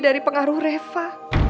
dari pengaruh reva